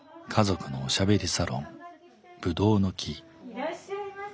いらっしゃいませ。